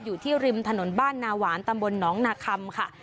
อยู่ที่ริมถนนบ้านนาหวานตำบลหนองนาคัมค่ะ